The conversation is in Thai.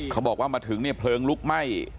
เขาบอกว่ามาถึงเนี่ยเพลิงลุกไหม้